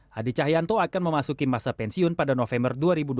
hadi cahyanto akan memasuki masa pensiun pada november dua ribu dua puluh